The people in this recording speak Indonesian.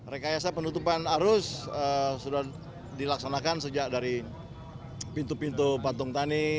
rekayasa penutupan arus sudah dilaksanakan sejak dari pintu pintu patung tani